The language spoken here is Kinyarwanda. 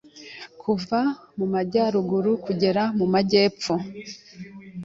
kuva mu majyaruguru kugera mu majyepfo